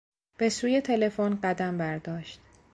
به سوی تلفن قدم برداشت.